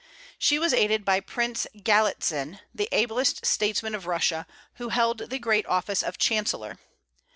She was aided by Prince Galitzin, the ablest statesman of Russia, who held the great office of chancellor.